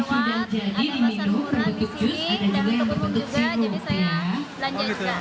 ada pasar murah di sini ada kebun juga jadi saya belanja juga